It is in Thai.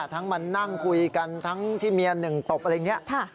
ทั้งมานั่งคุยกันทั้งที่เมียหนึ่งตบอะไรอย่างนี้